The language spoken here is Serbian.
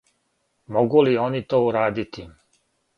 Могу ли они то урадити?